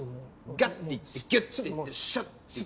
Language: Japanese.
ガッていってギュッとしていってシャッ！